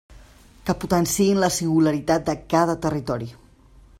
Que potenciïn la singularitat de cada territori.